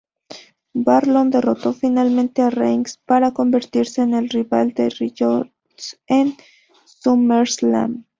Bálor derrotó finalmente a Reigns, para convertirse en el rival de Rollins en "SummerSlam".